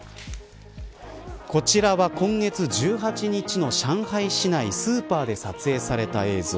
こちらは今月１８日の上海市内スーパーで撮影された映像。